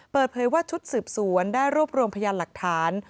เปิดเผยว่าชุดสืบสวนได้รวบรวมพยานหลักฐาน